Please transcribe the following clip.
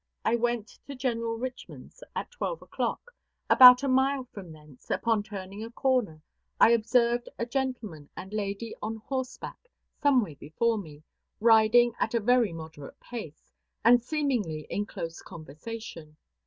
I went to General Richman's at twelve o'clock. About a mile from thence, upon turning a corner, I observed a gentleman and lady on horseback, some way before me, riding at a very moderate pace, and seemingly in close conversation.